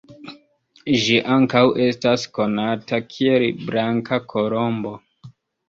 Ĝi ankaŭ estas konata kiel "Blanka Kolombo".